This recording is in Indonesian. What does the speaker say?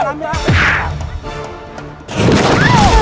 hukuman dari alleine menjadi imban